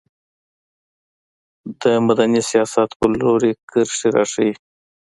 د مدني سیاست په لوري کرښې راښيي.